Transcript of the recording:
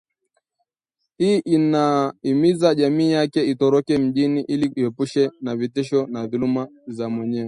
hii anaihimiza jamii yake itorokee mjini ili ijiepushe na vitisho na dhuluma za Mwewe